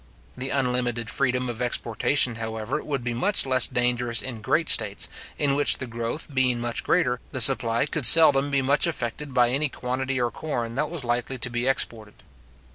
The unlimited freedom of exportation, however, would be much less dangerous in great states, in which the growth being much greater, the supply could seldom be much affected by any quantity or corn that was likely to be exported.